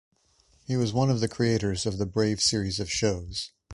He was one of the creators of the Brave series of shows.